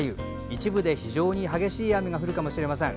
一部で非常に激しい雨が降るかもしれません。